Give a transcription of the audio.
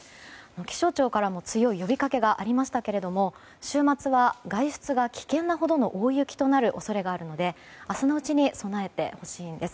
気象庁からも強い呼びかけがありましたけども週末は外出が危険なほどの大雪となる恐れがあるので明日のうちに備えてほしいんです。